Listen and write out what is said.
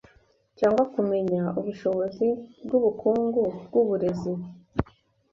cyangwa kumenya ubushobozi bwubukungu bwuburezi